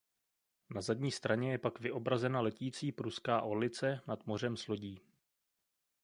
Na zadní straně je pak vyobrazena letící pruská orlice nad mořem s lodí.